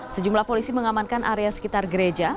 sejumlah polisi mengamankan area sekitar gereja